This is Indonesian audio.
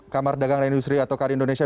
kamar dagang industri atau kari indonesia